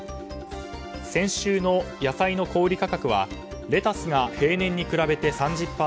先週の野菜の小売価格はレタスが平年に比べて３０％